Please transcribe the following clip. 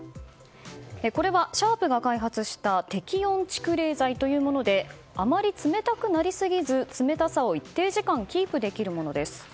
これは、シャープが開発した適温蓄冷材というものであまり冷たくなりすぎず冷たさを一定時間キープできるものです。